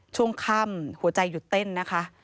ช่วงค่ำหัวใจหยุดเต้นนะคะ